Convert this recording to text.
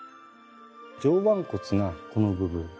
上腕骨がこの部分。